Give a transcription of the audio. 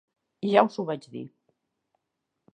Ja us ho vaig dir.